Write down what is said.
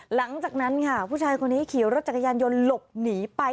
หลังจากนั้นค่ะผู้ชายคนนี้ขี่รถจักรยานยนต์หลบหนีไป